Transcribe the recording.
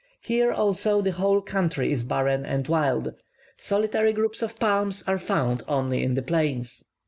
Here also the whole country is barren and wild; solitary groups of palms are found only in the plains.